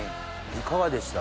いかがでした？